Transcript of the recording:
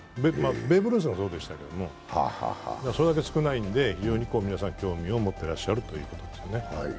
ベーブ・ルースがそうでしたけれども、それだけ少ないので非常に皆さん、興味を持ってらっしゃるということなんですね。